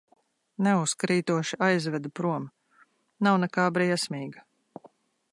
Neuzkrītoši aizvedu prom, nav nekā briesmīga.